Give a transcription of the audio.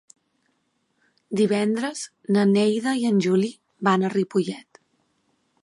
Divendres na Neida i en Juli van a Ripollet.